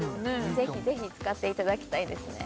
ぜひぜひ使っていただきたいですね